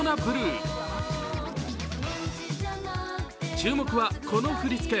注目はこの振り付け。